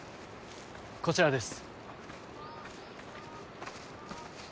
こちらです。